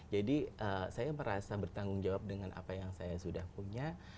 jadi saya merasa bertanggung jawab dengan apa yang saya sudah punya